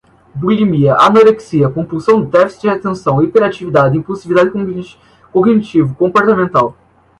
bulimia, anorexia, compulsão, déficit de atenção, hiperatividade, impulsividade, cognitivo, comportamental